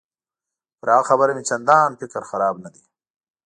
پر هغه خبره مې چندان فکر خراب نه دی.